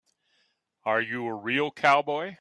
Are you a real cowboy?